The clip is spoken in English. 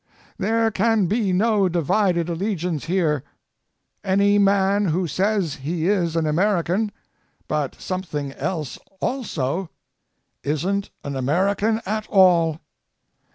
There can be no divided alle giance here. Any man who says he is an American, but some thing else ako, isn 't an American at all.